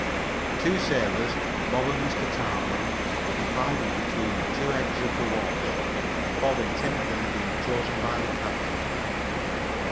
The two sailors, Bob and Mr. Tarbill were divided between the two heads of the watch, Bob and Tim Flynn being chosen by the captain.